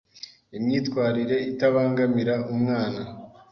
Imyitwarire itabangamira umwana